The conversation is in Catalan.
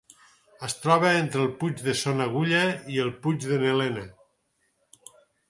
Es troba entre el Puig de Son Agulla i el Puig de n'Elena.